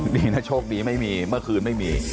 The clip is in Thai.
นี่นะโชคดีไม่มีเมื่อคืนไม่มี